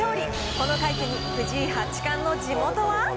この快挙に、藤井八冠の地元は？